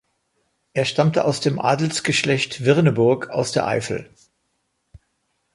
Er stammte aus dem Adelsgeschlecht Virneburg aus der Eifel.